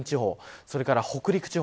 それから北陸地方。